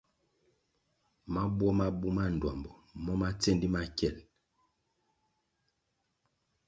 Mabuo ma buma ndtuambo mo ma tsendi ye makiel.